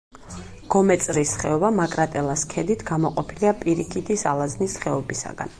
გომეწრის ხეობა მაკრატელას ქედით გამოყოფილია პირიქითის ალაზნის ხეობისაგან.